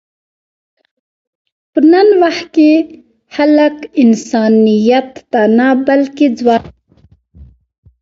په نن وخت کې خلک انسانیت ته نه، بلکې ځوانۍ ته ګوري.